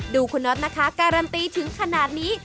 ดูคุณนทการันตีถึงขนาดนี้